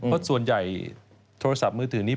เพราะส่วนใหญ่โทรศัพท์มือถือนี้